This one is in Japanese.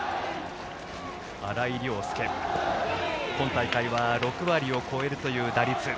荒居涼祐、今大会は６割を超えるという打率。